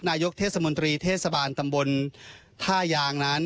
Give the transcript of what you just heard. นายกเทศมนตรีเทศบาลตำบลท่ายางนั้น